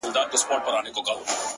• د ګنجي په ژبه بل ګنجی پوهېږي,